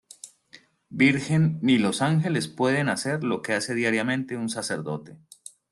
Virgen ni los Ángeles pueden hacer lo que hace diariamente un sacerdote.